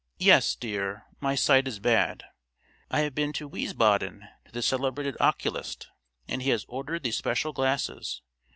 "Yes, dear, my sight is bad. I have been to Wiesbaden to the celebrated oculist, and he has ordered these special glasses.